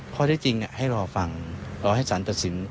ข้อได้จริงให้รอฟังรอให้สารตัดสิน